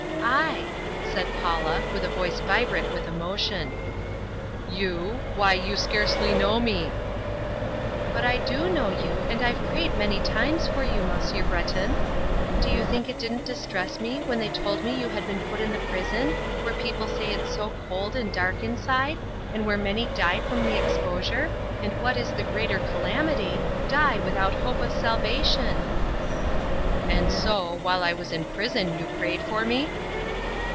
"I," said Paula with a voice vibrant with emotion. "You? Why you scarcely know me!" "But I do know you, and I've prayed many times for you, Monsieur Breton. Do you think it didn't distress me when they told me you had been put in the prison where people say it's so cold and dark inside, and where many die from the exposure, and what is the greater calamity die without hope of salvation." "And so, while I was in prison you prayed for me?"